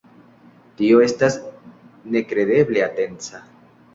Tio estas nekredeble atenca.